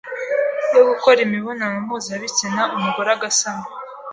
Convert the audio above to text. yo gukora imibonano mpuzabitsina umugore agasama